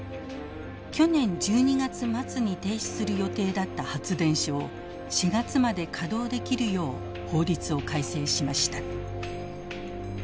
去年１２月末に停止する予定だった発電所を４月まで稼働できるよう法律を改正しました。